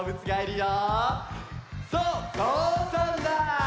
そうぞうさんだ！